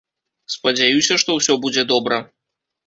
Спадзяюся, што ўсё будзе добра.